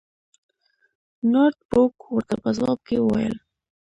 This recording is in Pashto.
نارت بروک ورته په ځواب کې وویل.